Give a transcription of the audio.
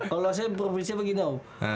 kalau saya provinsi apa gini om